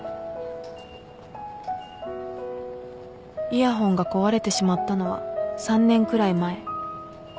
イヤホンが壊れてしまったのは３年くらい前